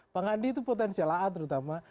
bang andi itu potensiala terutama